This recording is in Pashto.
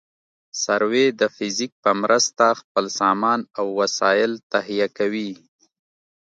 سروې د فزیک په مرسته خپل سامان او وسایل تهیه کوي